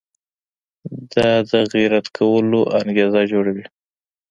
دا د غیرت کولو انګېزه جوړوي.